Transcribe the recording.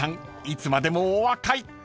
いつまでもお若い］